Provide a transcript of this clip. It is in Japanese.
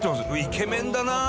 イケメンだなあ！